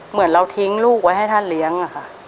เหมือนเราทิ้งลูกไว้ให้ท่านเลี้ยงอะค่ะ